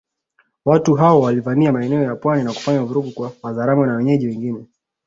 Watu hao walivamia maeneo ya pwani na kufanya vurugu kwa Wazaramo na wenyeji wengine